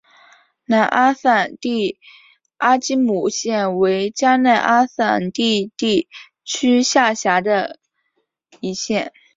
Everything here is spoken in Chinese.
南阿散蒂阿基姆县为迦纳阿散蒂地区辖下的一县。